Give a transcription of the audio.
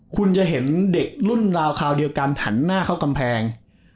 คุณจะเห็นเด็กรุ่นราวคราวเดียวกันหันหน้าเข้ากำแพง